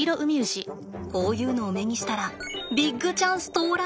こういうのを目にしたらビッグチャンス到来！